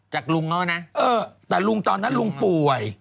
ลุงเขานะเออแต่ลุงตอนนั้นลุงป่วย